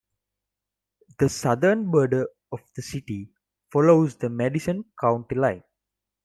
The southern border of the city follows the Madison County line.